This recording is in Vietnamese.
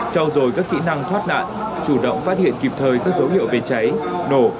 trao dồi các kỹ năng thoát nạn chủ động phát hiện kịp thời các dấu hiệu về cháy nổ